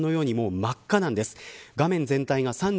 ご覧のように真っ赤なんです。